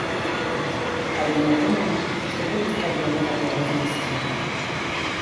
Але не думаю, што будуць праблемы, каб яго знайсці.